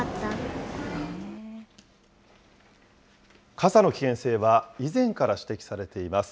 傘の危険性は、以前から指摘されています。